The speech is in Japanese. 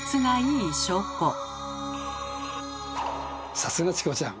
さすがチコちゃん。